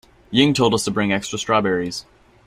Ying told us to bring extra strawberries.